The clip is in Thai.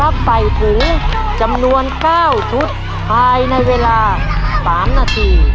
ใส่ถุงจำนวน๙ชุดภายในเวลา๓นาที